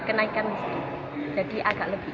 kenaikan listrik jadi agak lebih